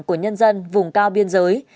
của nhân dân vùng cao biên giới